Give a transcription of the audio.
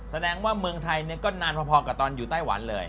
แสดงว่าเมืองไทยก็นานพอกับตอนอยู่ไต้หวันเลย